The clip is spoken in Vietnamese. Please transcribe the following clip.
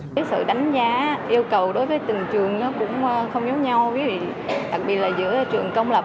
cái sự đánh giá yêu cầu đối với từng trường nó cũng không giống nhau đặc biệt là giữa trường công lập